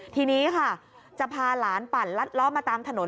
ทีนี้ค่ะจะพาหลานปั่นลัดล้อมาตามถนน